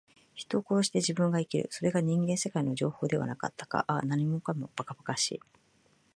人を殺して自分が生きる。それが人間世界の定法ではなかったか。ああ、何もかも、ばかばかしい。